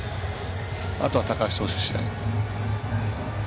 あとは高橋投手次第。